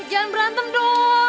jangan berantem dong